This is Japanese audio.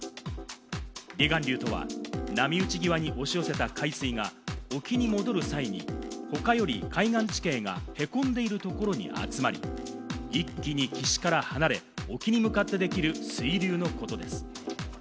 離岸流とは、波打ち際に押し寄せた海水が沖に戻る際に、他より海岸地形がへこんでいるところに集まり、一気に岸から離れ、沖に向かってできる水流のことです。